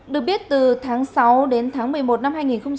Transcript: được biết từ tháng sáu đến tháng một mươi một năm hai nghìn một mươi chín